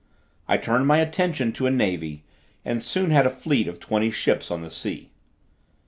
I turned my attention to a navy, and soon had a fleet of twenty ships on the sea.